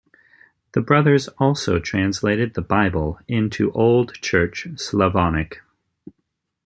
The brothers also translated the Bible into Old Church Slavonic.